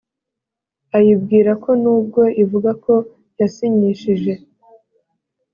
ayibwira ko nubwo ivuga ko yasinyishije